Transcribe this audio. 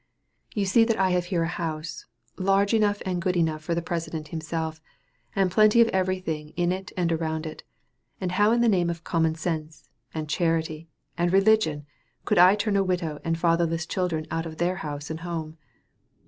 You see that I have here a house, large enough and good enough for the president himself, and plenty of every thing in it and around it; and how in the name of common sense and charity, and religion, could I turn a widow and fatherless children out of their house and home!